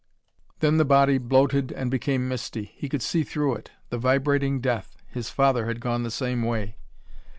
Then the body bloated and became misty. He could see through it. The vibrating death! His father had gone the same way!